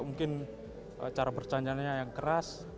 mungkin cara bercandaannya yang keras